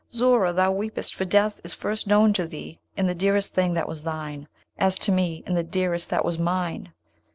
Zoora! thou weepest, for death is first known to thee in the dearest thing that was thine; as to me, in the dearest that was mine!